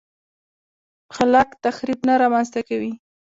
خلاق تخریب نه رامنځته کوي.